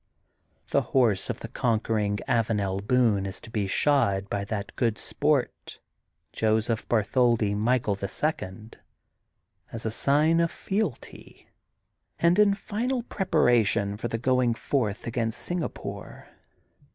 The horse of \he conquering Avanel Boone is to be shod by that good sport, Joseph Bar tholdi Michael, the Second, as a sign of fealty, and in final preparation for the going forth against Singapore.